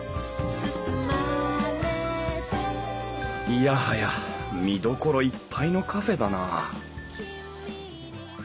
いやはや見どころいっぱいのカフェだなあ